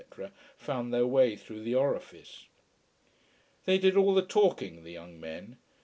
found their way through the orifice. They did all the talking the young men.